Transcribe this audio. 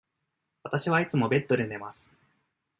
わたしはいつもベッドで寝ます。